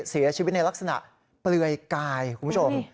เสียชีวิตในลักษณะเปลือยกายคุณผู้ชม